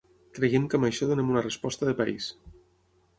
Creiem que amb això donem una resposta de país.